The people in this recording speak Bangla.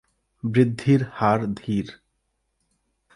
বৃদ্ধির হার ধীর।